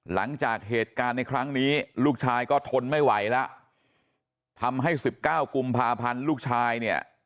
หลังจากเหตุการณ์ในครั้งนี้ลูกชายก็ทนไม่ไหวแล้วทำให้สิบเก้ากุมภาพันธ์ลูกชายเนี่ย